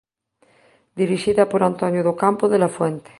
Dirixida por Antonio do Campo de la Fuente.